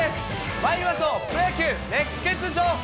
まいりましょう、プロ野球熱ケツ情報。